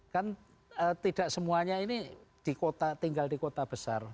kan tidak semuanya ini tinggal di kota besar